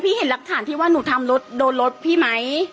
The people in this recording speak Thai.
เห็นหลักฐานที่ว่าหนูทำรถโดนรถพี่ไหม